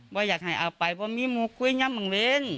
ขออยากให้เอาไปที่มีโมคุยยังมังลิ้น